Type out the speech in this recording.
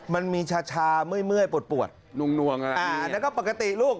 มันมีชาชามื้อยปวดน้วงอะนี่อ่ะแล้วก็ปกติลูก